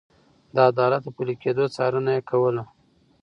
د عدالت د پلي کېدو څارنه يې کوله.